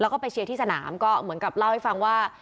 แล้วก็ไปเชียร์ที่สนามก็เหมือนกับเล่าให้ฟังว่า